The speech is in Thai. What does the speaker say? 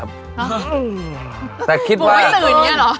แต่คิดว่าฮึ้มไม่สื่ออย่างเงี้ยเหรอแต่คิดว่า